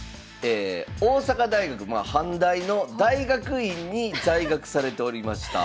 大阪大学まあ阪大の大学院に在学されておりました。